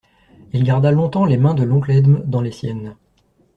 Il garda longtemps les mains de l'oncle Edme dans les siennes.